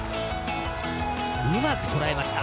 うまく捉えました。